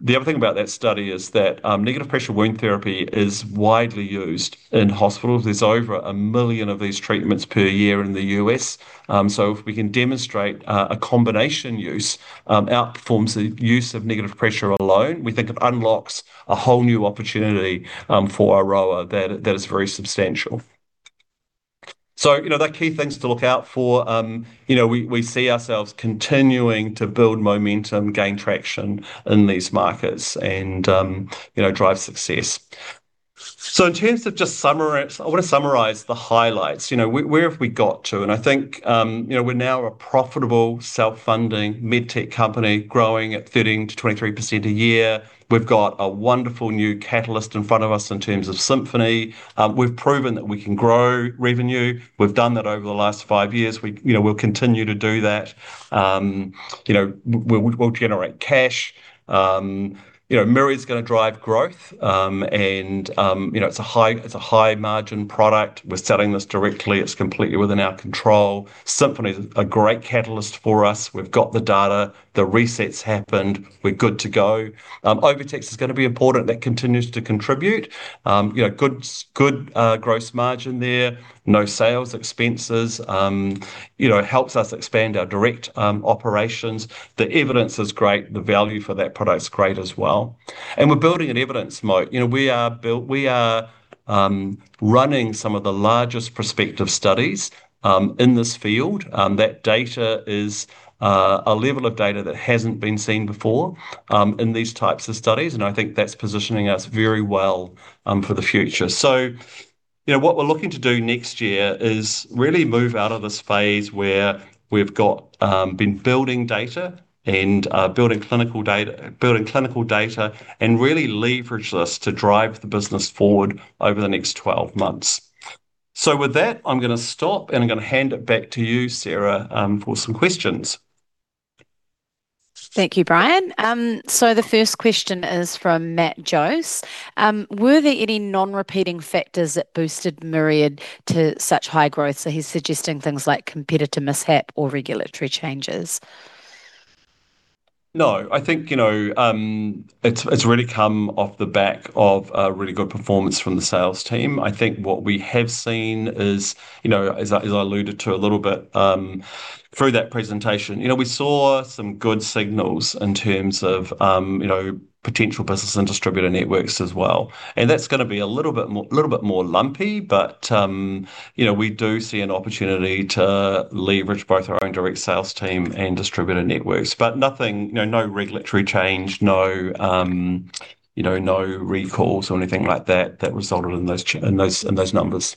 The other thing about that study is that negative pressure wound therapy is widely used in hospitals. There's over 1 million of these treatments per year in the U.S. If we can demonstrate a combination use outperforms the use of negative pressure alone, we think it unlocks a whole new opportunity for Aroa that is very substantial. The key things to look out for. We see ourselves continuing to build momentum, gain traction in these markets and drive success. In terms of just summary, I want to summarize the highlights. Where have we got to? I think we're now a profitable, self-funding med tech company growing at 13%-23% a year. We've got a wonderful new catalyst in front of us in terms of Symphony. We've proven that we can grow revenue. We've done that over the last five years. We'll continue to do that. We'll generate cash. Myriad's going to drive growth, and it's a high margin product. We're selling this directly. It's completely within our control. Symphony is a great catalyst for us. We've got the data. The resets happened. We're good to go. OviTex is going to be important. That continues to contribute. Good gross margin there, no sales expenses, helps us expand our direct operations. The evidence is great. The value for that product is great as well. We're building an evidence moat. We are running some of the largest prospective studies in this field. That data is a level of data that hasn't been seen before in these types of studies, and I think that's positioning us very well for the future. What we're looking to do next year is really move out of this phase where we've been building data and building clinical data, and really leverage this to drive the business forward over the next 12 months. With that, I'm going to stop, and I'm going to hand it back to you, Sarah, for some questions. Thank you, Brian. The first question is from Matt Joyce. Were there any non-repeating factors that boosted Myriad to such high growth? He's suggesting things like competitor mishap or regulatory changes. No, I think it's really come off the back of a really good performance from the sales team. I think what we have seen is, as I alluded to a little bit through that presentation, we saw some good signals in terms of potential business and distributor networks as well. That's going to be a little bit more lumpy, but we do see an opportunity to leverage both our own direct sales team and distributor networks. No regulatory change, no recalls or anything like that that resulted in those numbers.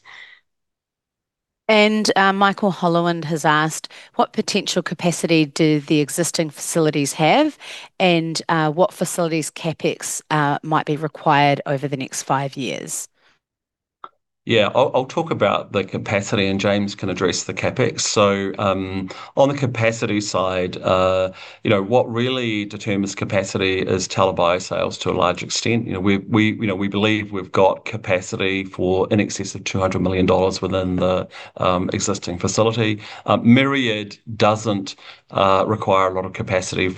Michael Holowand has asked, what potential capacity do the existing facilities have, and what facilities CapEx might be required over the next five years? Yeah, I'll talk about the capacity, and James can address the CapEx. On the capacity side, what really determines capacity is TELA Bio sales to a large extent. We believe we've got capacity for in excess of 200 million dollars within the existing facility. Myriad doesn't require a lot of capacity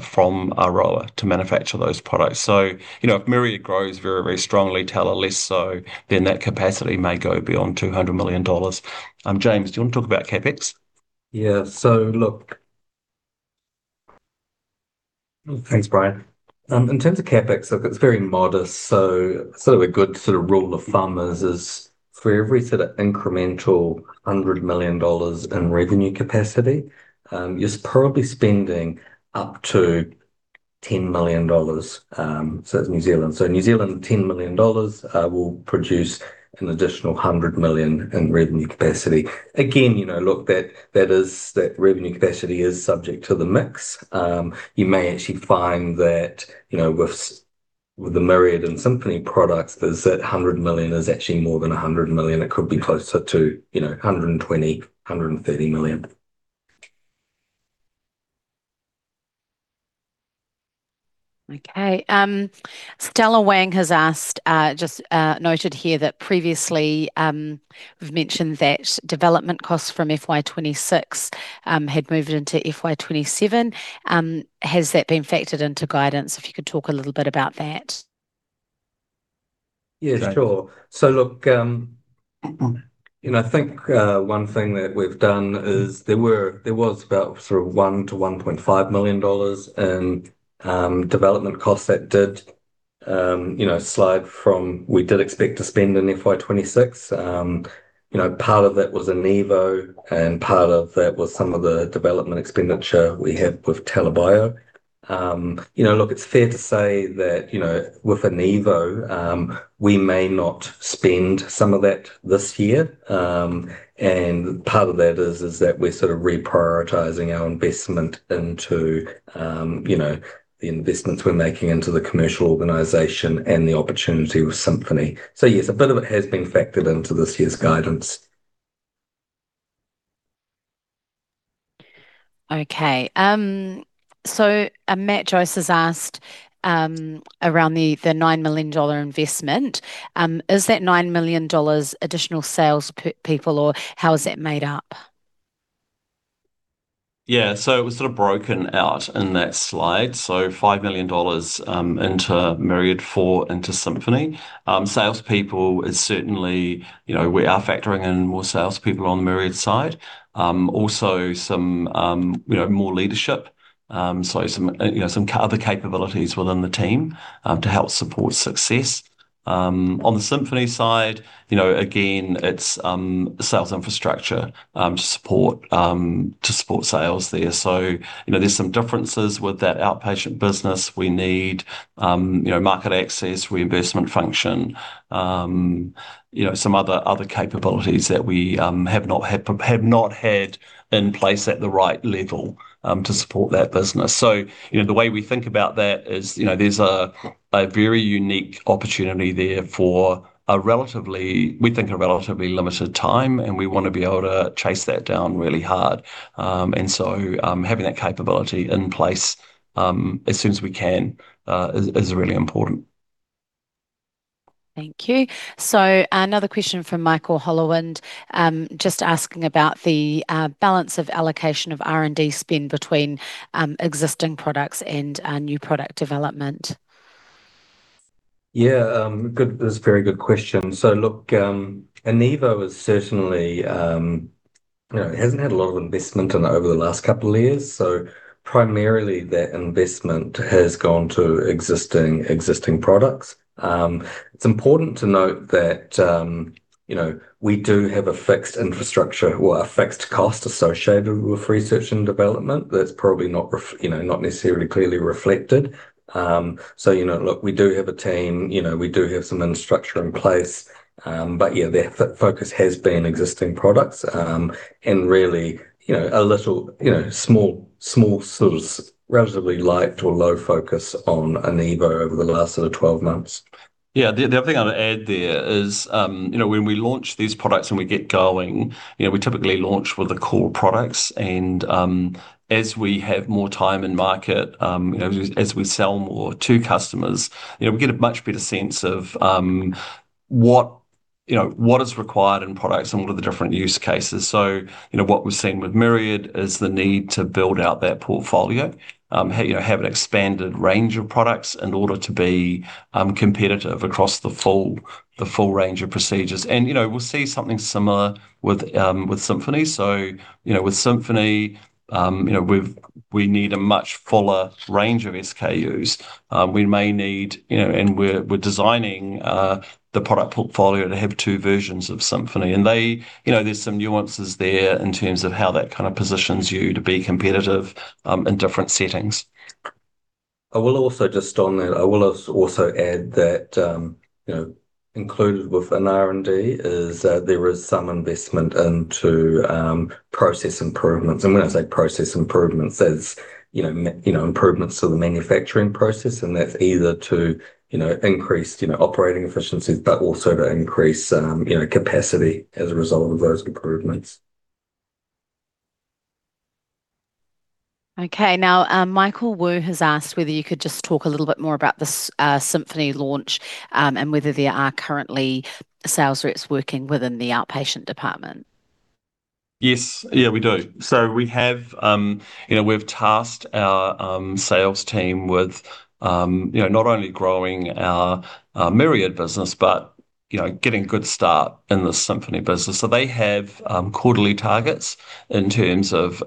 from Aroa to manufacture those products. If Myriad grows very strongly, TELA less so, that capacity may go beyond 200 million dollars. James, do you want to talk about CapEx? Thanks, Brian. In terms of CapEx, look, it's very modest. A good rule of thumb is for every sort of incremental 100 million dollars in revenue capacity, you're probably spending up to 10 million dollars. 10 million New Zealand dollars will produce an additional 100 million in revenue capacity. Again, that revenue capacity is subject to the mix. You may actually find that with the Myriad and Symphony products, that 100 million is actually more than 100 million. It could be closer to 120 million, 130 million. Okay. Stella Wang has asked, just noted here that previously we've mentioned that development costs from FY 2026 had moved into FY 2027. Has that been factored into guidance? If you could talk a little bit about that. Yeah, sure. Look, I think one thing that we've done is there was about sort of 1 million to 1.5 million dollars in development costs that did slide from we did expect to spend in FY 2026. Part of that was Enivo, and part of that was some of the development expenditure we had with TELA Bio. Look, it's fair to say that with Enivo, we may not spend some of that this year, and part of that is that we're sort of reprioritizing our investment into the investments we're making into the commercial organization and the opportunity with Symphony. Yes, a bit of it has been factored into this year's guidance. Okay. Matt Joyce has asked around the 9 million dollar investment. Is that 9 million dollars additional salespeople, or how is that made up? Yeah, it was sort of broken out in that slide. 5 million dollars into Myriad, into Symphony. We are factoring in more salespeople on the Myriad side. Also some more leadership. Some other capabilities within the team to help support success. On the Symphony side, again, it's sales infrastructure to support sales there. There's some differences with that outpatient business. We need market access, reimbursement function, some other capabilities that we have not had in place at the right level to support that business. The way we think about that is there's a very unique opportunity there for a relatively, we think, a relatively limited time, and we want to be able to chase that down really hard. Having that capability in place as soon as we can is really important. Thank you. Another question from Michael Holowand, just asking about the balance of allocation of R&D spend between existing products and new product development. Yeah, that's a very good question. Look, Enivo has certainly hasn't had a lot of investment in it over the last couple of years. Primarily that investment has gone to existing products. It's important to note that we do have a fixed infrastructure or a fixed cost associated with research and development that's probably not necessarily clearly reflected. Look, we do have a team, we do have some infrastructure in place. Yeah, that focus has been existing products. Really a little, small, sort of relatively light or low focus on Enivo over the last sort of 12 months. The other thing I'd add there is when we launch these products and we get going, we typically launch with the core products, and as we have more time in market, as we sell more to customers, we get a much better sense of what is required in products and what are the different use cases. What we've seen with Myriad is the need to build out that portfolio, have an expanded range of products in order to be competitive across the full range of procedures. We'll see something similar with Symphony. With Symphony, we need a much fuller range of SKUs. We may need, and we're designing the product portfolio to have two versions of Symphony. There's some nuances there in terms of how that kind of positions you to be competitive in different settings. I will also just on that, I will also add that included within R&D is there is some investment into process improvements. When I say process improvements, it's improvements to the manufacturing process, and that's either to increase operating efficiencies but also to increase capacity as a result of those improvements. Okay. Now, Michael Wu has asked whether you could just talk a little bit more about the Symphony launch and whether there are currently sales reps working within the outpatient department. Yes. Yeah, we do. We have tasked our sales team with not only growing our Myriad business but getting a good start in the Symphony business. They have quarterly targets in terms of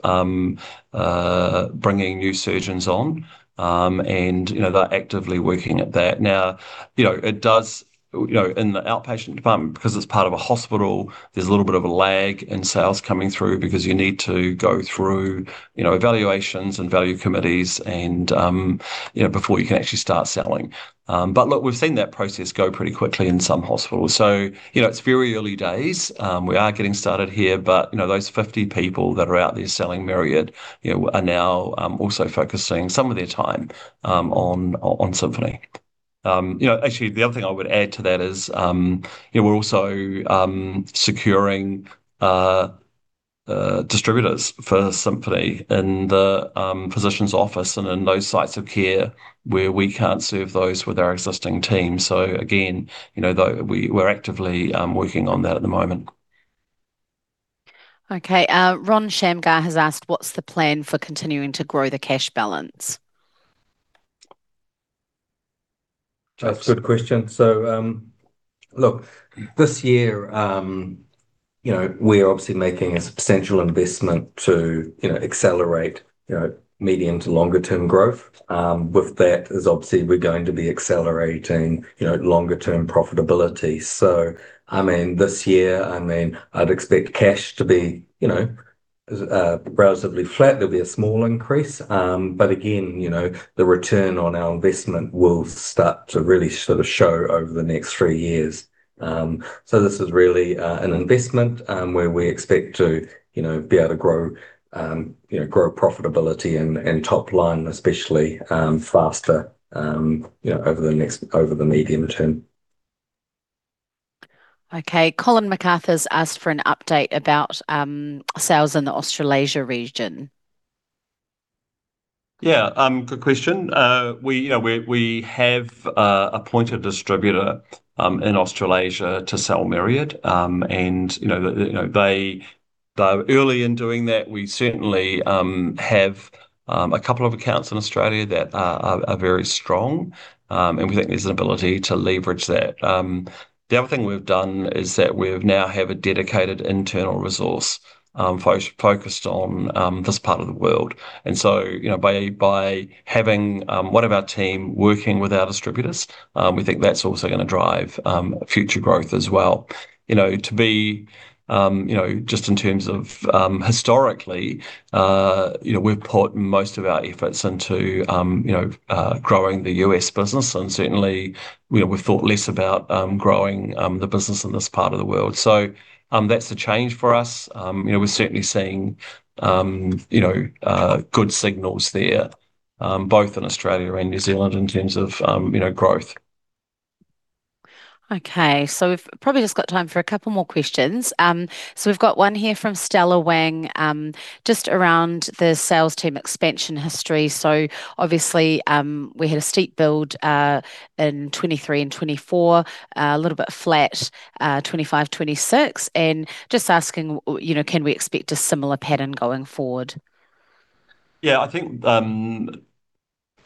bringing new surgeons on, and they're actively working at that. Now, in the outpatient department, because it's part of a hospital, there's a little bit of a lag in sales coming through because you need to go through evaluations and value committees before you can actually start selling. Look, we've seen that process go pretty quickly in some hospitals. It's very early days. We are getting started here, but those 50 people that are out there selling Myriad are now also focusing some of their time on Symphony. Actually, the other thing I would add to that is, we're also securing distributors for Symphony in the physician's office and in those sites of care where we can't serve those with our existing team. Again, we're actively working on that at the moment. Okay. Ron Shamgar has asked what's the plan for continuing to grow the cash balance? That's a good question. Look, this year, we're obviously making a substantial investment to accelerate medium to longer term growth. With that is obviously we're going to be accelerating longer term profitability. This year, I'd expect cash to be relatively flat. There'll be a small increase. Again, the return on our investment will start to really sort of show over the next three years. This is really an investment where we expect to be able to grow profitability and top line especially faster over the medium term. Okay. Colin McArthur's asked for an update about sales in the Australasia region. Yeah. Good question. We have appointed a distributor in Australasia to sell Myriad, and though early in doing that, we certainly have a couple of accounts in Australia that are very strong, and we think there's an ability to leverage that. The other thing we've done is that we now have a dedicated internal resource focused on this part of the world, and so by having one of our team working with our distributors, we think that's also going to drive future growth as well. Just in terms of historically, we've put most of our efforts into growing the U.S. business and certainly, we thought less about growing the business in this part of the world. That's a change for us, and we're certainly seeing good signals there, both in Australia and New Zealand in terms of growth. Okay, we've probably just got time for a couple more questions. We've got one here from Stella Wang, just around the sales team expansion history. Obviously, we had a steep build in 2023 and 2024, a little bit flat, 2025, 2026, and just asking, can we expect a similar pattern going forward? Yeah, I think, in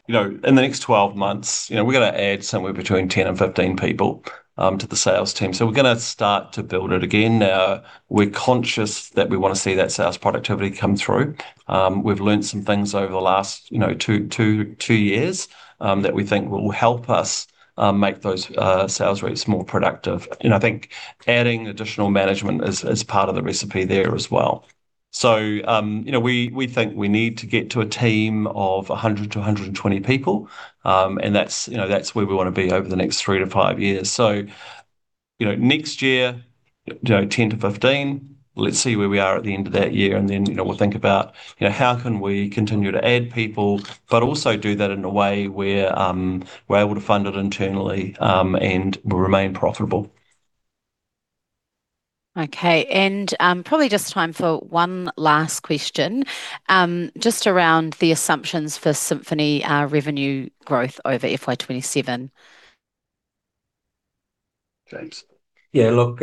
the next 12 months, we're going to add somewhere between 10 and 15 people to the sales team. We're going to start to build it again. Now, we're conscious that we want to see that sales productivity come through. We've learnt some things over the last two years that we think will help us make those sales reps more productive, and I think adding additional management is part of the recipe there as well. We think we need to get to a team of 100-120 people, and that's where we want to be over the next three to five years. Next year, 10-15. Let's see where we are at the end of that year and then, we'll think about how can we continue to add people, but also do that in a way where we're able to fund it internally, and we remain profitable. Okay, probably just time for one last question, just around the assumptions for Symphony revenue growth over FY 2027. James. Yeah, look,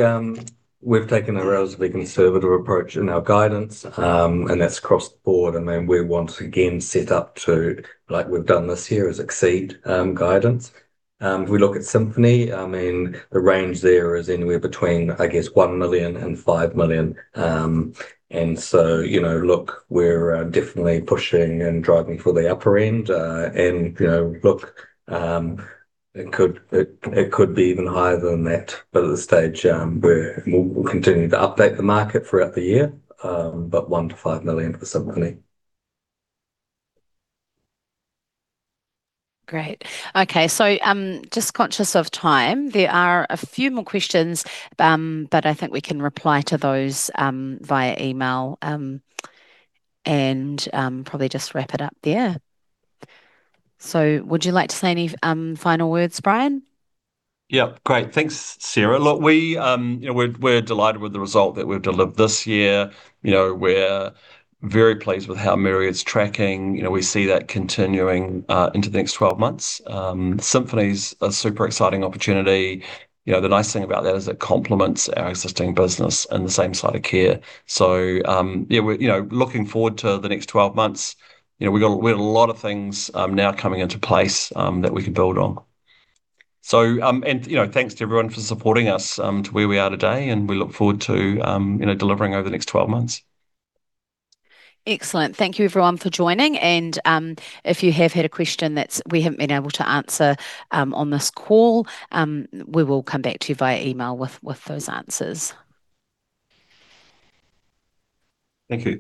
we've taken a relatively conservative approach in our guidance, and that's across the board, and then we're once again set up to, like we've done this year, is exceed guidance. If we look at Symphony, the range there is anywhere between, I guess, 1 million and 5 million. Look, we're definitely pushing and driving for the upper end. Look, it could be even higher than that, but at this stage, we'll continue to update the market throughout the year. 1 million-5 million for Symphony. Great. Okay. Just conscious of time. There are a few more questions, but I think we can reply to those via email, and probably just wrap it up there. Would you like to say any final words, Brian? Yep. Great. Thanks, Sarah. We're delighted with the result that we've delivered this year. We're very pleased with how Myriad's tracking. We see that continuing into the next 12 months. Symphony's a super exciting opportunity. The nice thing about that is it complements our existing business in the same site of care. Yeah, we're looking forward to the next 12 months. We've got a lot of things now coming into place that we can build on. Thanks to everyone for supporting us to where we are today, and we look forward to delivering over the next 12 months. Excellent. Thank you everyone for joining and if you have had a question that we haven't been able to answer on this call, we will come back to you via email with those answers. Thank you.